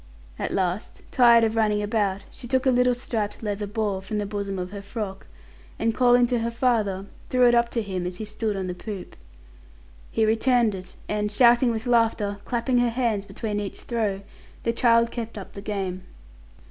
At last, tired of running about, she took a little striped leather ball from the bosom of her frock, and calling to her father, threw it up to him as he stood on the poop. He returned it, and, shouting with laughter, clapping her hands between each throw, the child kept up the game.